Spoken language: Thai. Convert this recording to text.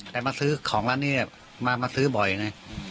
แต่มาซื้อของร้านนี้มาซื้อบ่อยนะ